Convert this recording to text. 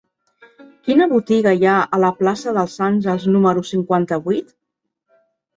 Quina botiga hi ha a la plaça dels Àngels número cinquanta-vuit?